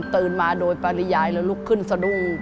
มาโดยปริยายแล้วลุกขึ้นสะดุ้ง